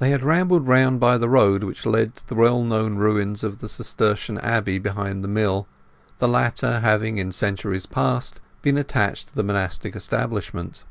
They had rambled round by a road which led to the well known ruins of the Cistercian abbey behind the mill, the latter having, in centuries past, been attached to the monastic establishment.